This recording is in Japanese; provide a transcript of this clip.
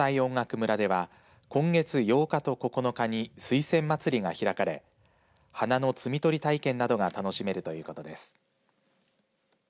村では今月８日と９日にすいせん祭りが開かれ花の摘み取り体験などが楽しめるということです。